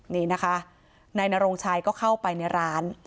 นี่นะคะนายนโรงชัยก็เข้าไปในร้าน